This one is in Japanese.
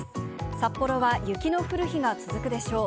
札幌は雪の降る日が続くでしょう。